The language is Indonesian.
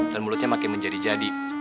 dan mulutnya makin menjadi jadi